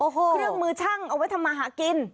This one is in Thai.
เครื่องมือช่างเอาไว้ทำมาหากิน